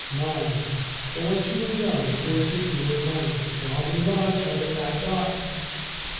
NINE! But when she was young, Poor Kitty was hung; So how many Lives has the Cat got?